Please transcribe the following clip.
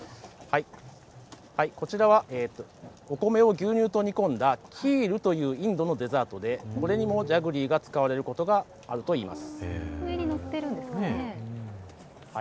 こちらはお米を牛乳と煮込んだキールというインドのデザートでこれにも、ジャグリーが使われることがあるといいます。